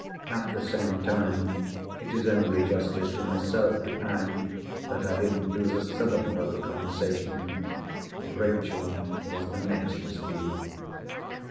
At the same time, it is only justice to myself to add, that I didn't lose a syllable of the conversation. Rachel was the next to speak.